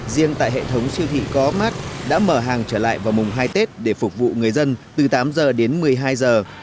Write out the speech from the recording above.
riêng tại hệ thống siêu thị có mát đã mở hàng trở lại vào mùng hai tết để phục vụ người dân từ tám giờ đến một mươi hai giờ